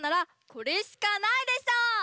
これしかないでしょ！